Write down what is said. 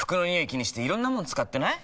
気にしていろんなもの使ってない？